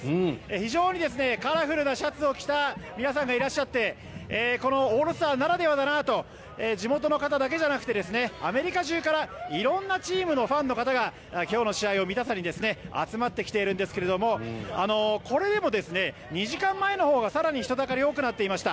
非常にカラフルなシャツを着た皆さんがいらっしゃってこのオールスターならではだなと地元の方だけじゃなくてアメリカ中から色んなチームのファンの方が今日の試合を見たさに集まってきているんですけどこれでも２時間前のほうが更に人だかりが多くなっていました。